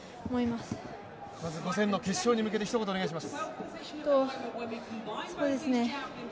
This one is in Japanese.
まず５０００の決勝に向けてひと言お願いします。